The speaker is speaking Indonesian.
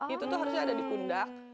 itu tuh harusnya ada di pundak